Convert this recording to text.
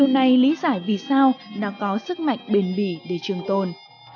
ngay lý giải vì sao đã có sức mạnh bền bỉ để trường tôn